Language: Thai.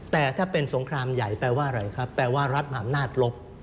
แต่ถ้าเป็นสงครามใหญ่แปลว่าอะไรครับแปลว่ารัฐมหาอำนาจลบ